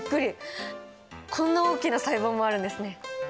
こんな大きな細胞もあるんですね！